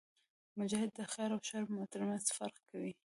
مجاهد د خیر او شر ترمنځ فرق کوي.